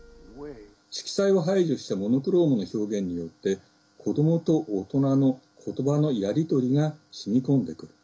色彩を排除したモノクロームの表現によって子どもと大人のことばのやり取りがしみこんでくる。